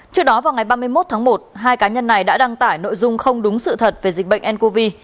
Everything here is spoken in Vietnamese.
trước đó vào ngày ba mươi một tháng một hai cá nhân này đã đăng tải nội dung không đúng sự thật về dịch bệnh ncov